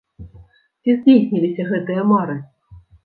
Ці здзейсніліся гэтыя мары?